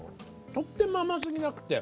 とっても甘すぎなくて。